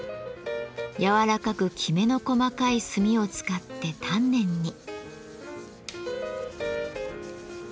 柔らかくきめの細かい炭を使って丹念に。